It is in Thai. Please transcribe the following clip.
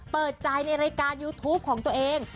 เปิดใจในรายการยูทูปของตัวเอง